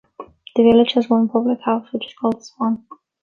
The village has one public house which is called the Swan.